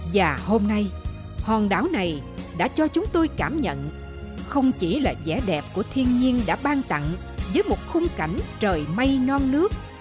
và hôm nay hòn đảo này đã cho chúng tôi cảm nhận không chỉ là vẻ đẹp của thiên nhiên đã ban tặng với một khung cảnh trời mây non nước